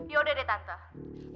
yaudah deh tante